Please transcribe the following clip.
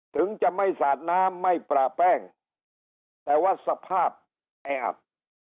ถึงจะไม่สาดน้ำไม่ประแป้งแต่ว่าสภาพแออัด